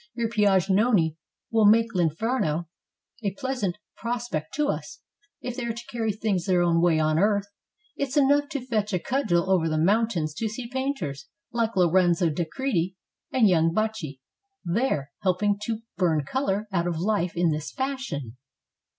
"Your Piagnoni will make T inferno a pleasant prospect to us, if they are to carry things their own way on earth. It 's enough to fetch a cudgel over the mountains to see painters, like Lorenzo di Credi and young Baccio there, helping to burn color out of life in this fashion."